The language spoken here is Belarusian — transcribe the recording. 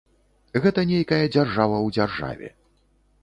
Гэта нейкая дзяржава ў дзяржаве.